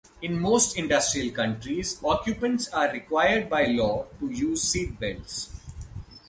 In most industrial countries, occupants are required by law to use seat belts.